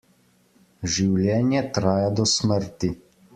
Življenje traja do smrti.